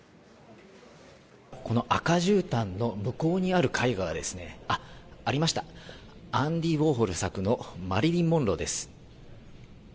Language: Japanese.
この赤じゅうたんの向こうにある絵画が、ありました、アンディ・ウォーホル作のマリリン・モンローです。